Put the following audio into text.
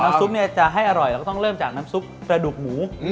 ซุปจะให้อร่อยเราก็ต้องเริ่มจากน้ำซุปกระดูกหมู